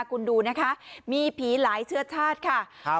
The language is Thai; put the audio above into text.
คุณดูนะคะมีผีหลายเชื้อชาติค่ะครับ